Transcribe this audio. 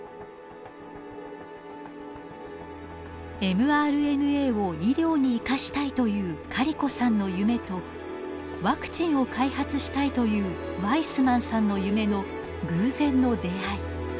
ｍＲＮＡを医療に生かしたいというカリコさんの夢とワクチンを開発したいというワイスマンさんの夢の偶然の出会い。